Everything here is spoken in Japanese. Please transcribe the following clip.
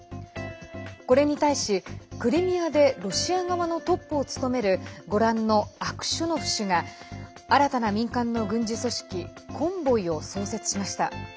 これに対し、クリミアでロシア側のトップを務めるご覧のアクショノフ氏が新たな民間の軍事組織コンボイを創設しました。